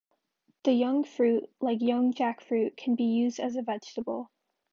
The young fruit, like young jackfruit, can be used as a vegetable.